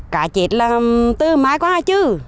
cá chết là từ mai qua chứ